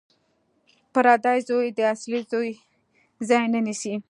پردی زوی د اصلي زوی ځای نه نیسي